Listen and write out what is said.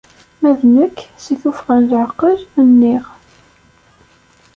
Ma d nekk, si tuffɣa n leɛqel, nniɣ.